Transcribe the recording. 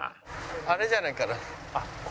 あれじゃないかな？